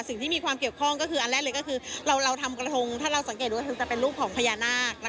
สิ่งที่มีความเกี่ยวข้องก็คืออันแรกเลยก็คือเราทำกระทงถ้าเราสังเกตดูกระทงจะเป็นรูปของพญานาค